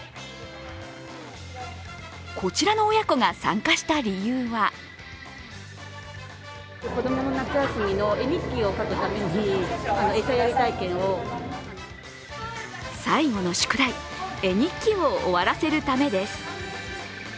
こちらの親子が参加した理由は最後の宿題、絵日記を終わらせるためです。